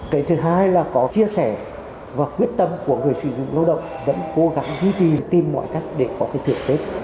cái thứ hai là có chia sẻ và quyết tâm của người sử dụng lao động vẫn cố gắng duy trì tìm mọi cách để có cái thưởng tết